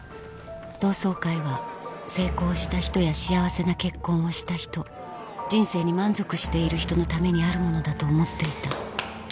同窓会は成功した人や幸せな結婚をした人人生に満足している人のためにあるものだと思っていた